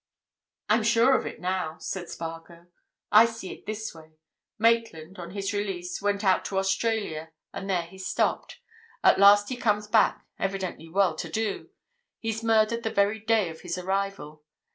"I'm sure of it, now," said Spargo. "I see it in this way. Maitland, on his release, went out to Australia, and there he stopped. At last he comes back, evidently well to do. He's murdered the very day of his arrival.